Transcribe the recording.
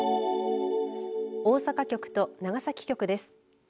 大阪局と長崎局です。